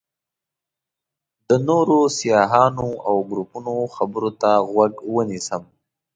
د نورو سیاحانو او ګروپونو خبرو ته غوږ ونیسم.